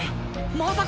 まさか！